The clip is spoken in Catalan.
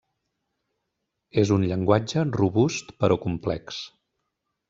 És un llenguatge robust però complex.